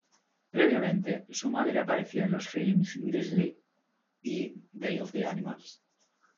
Previamente, su madre apareció en los filmes "Grizzly" y "Day of the Animals".